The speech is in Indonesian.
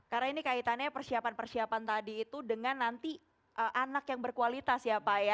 karena ini kaitannya persiapan persiapan tadi itu dengan nanti anak yang berkualitas ya pak ya